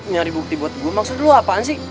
nyari bukti buat gue maksud dulu apaan sih